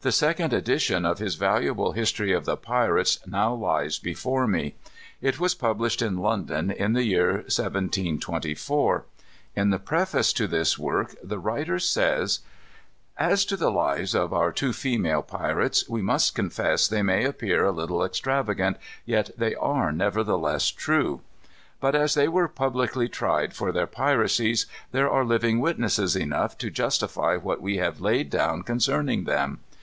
The second edition of his valuable history of the pirates now lies before me. It was published in London, in the year 1724. In the preface to this work the writer says: "As to the lives of our two female pirates, we must confess they may appear a little extravagant, yet they are nevertheless true. But as they were publicly tried for their piracies, there are living witnesses enough to justify what we have laid down concerning them.